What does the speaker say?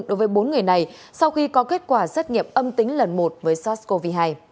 đối với bốn người này sau khi có kết quả xét nghiệm âm tính lần một với sars cov hai